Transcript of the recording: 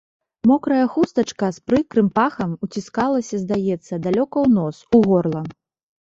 Мокрая хустачка з прыкрым пахам уціскалася, здаецца, далёка ў нос, у горла.